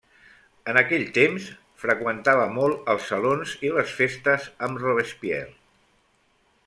En aquell temps, freqüentava molt els salons i les festes amb Robespierre.